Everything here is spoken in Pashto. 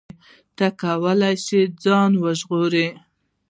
ته کولی شې ځان وژغورې.